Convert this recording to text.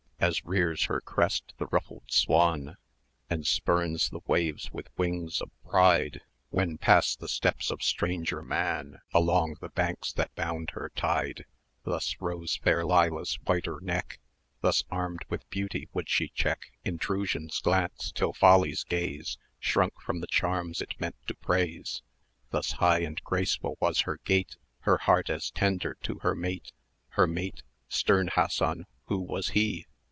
As rears her crest the ruffled Swan, And spurns the wave with wings of pride, When pass the steps of stranger man Along the banks that bound her tide; 510 Thus rose fair Leila's whiter neck: Thus armed with beauty would she check Intrusion's glance, till Folly's gaze Shrunk from the charms it meant to praise. Thus high and graceful was her gait; Her heart as tender to her mate; Her mate stern Hassan, who was he?